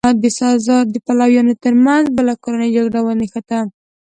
د سزار د پلویانو ترمنځ بله کورنۍ جګړه ونښته.